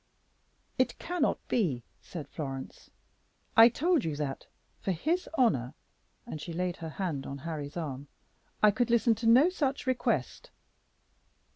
"It cannot be," said Florence; "I told you that, for his honor," and she laid her hand on Harry's arm, "I could listen to no such request."